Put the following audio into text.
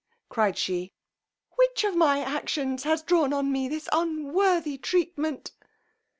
cried she, which of my actions has drawn on me this unworthy treatment?